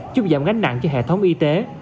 chúc giảm gánh nặng cho hệ thống y tế